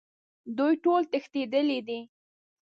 دوی ټول تښتیدلي دي